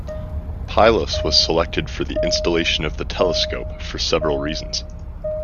Pylos was selected for the installation of the telescope for several reasons.